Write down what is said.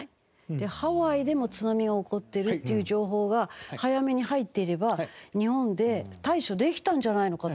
でハワイでも津波が起こっているっていう情報が早めに入っていれば日本で対処できたんじゃないのかと思うんですけど。